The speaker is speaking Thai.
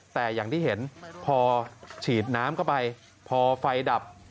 แต่อย่างที่เห็นพอฉีดน้ำเข้าไปพอไฟดับ